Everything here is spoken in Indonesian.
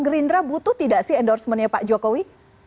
gerindra butuh tidak endorsement pak jokowi